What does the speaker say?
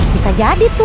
bisa jadi tuh